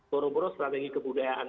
boroboro strategi kebudayaan